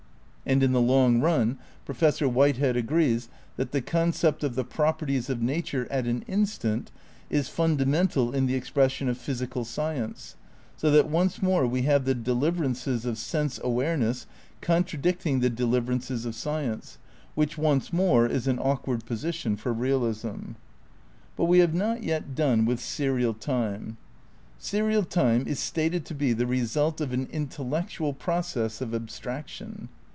And in the long run Professor Whitehead agrees that "the concept of the properties of nature at an instant ... is fundamental in the expression of physical sci ence "; so that once more we have the deliverances of sense awareness contradicting the deliverances of sci ence, which once more is an awkward position for realism. But we have not yet done with serial time. Serial time is stated to be the result of "an intellec tual process of abstraction."